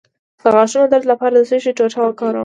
د غاښونو د درد لپاره د څه شي ټوټه وکاروم؟